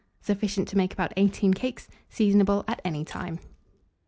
Sufficient to make about 18 cakes. Seasonable at any time.